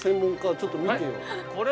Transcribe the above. ちょっと見てよ。